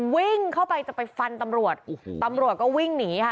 วิ่งเข้าไปจะไปฟันตำรวจตำรวจก็วิ่งหนีค่ะ